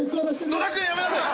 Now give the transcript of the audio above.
野田君やめなさい。